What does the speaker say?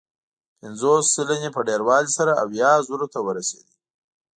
پنځوس سلنې په ډېروالي سره اویا زرو ته ورسېد.